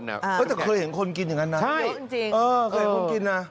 เคยเห็นคนกินอย่างนั้นนะ